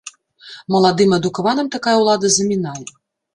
Маладым і адукаваным такая ўлада замінае.